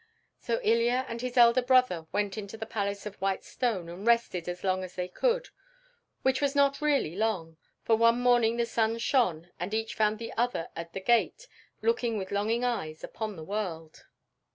So Ilya and his elder brother went into the palace of white stone and rested as long as they could, which was not really long, for one morning the sun shone and each found the other at the gate looking with longing eyes upon the world.